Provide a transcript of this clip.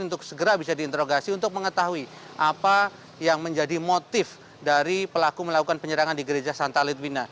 untuk segera bisa diinterogasi untuk mengetahui apa yang menjadi motif dari pelaku melakukan penyerangan di gereja santa litwina